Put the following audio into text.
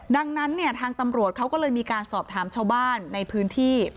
ดังนั้นเนี่ยทางตำรวจเขาก็เลยมีการสอบถามชาวบ้านในพื้นที่